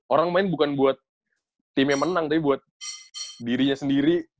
orang main bukan buat tim yang menang tapi buat dirinya sendiri